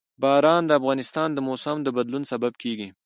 باران د افغانستان د موسم د بدلون سبب کېږي.